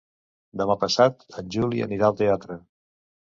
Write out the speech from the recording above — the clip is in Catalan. Demà passat en Juli anirà al teatre.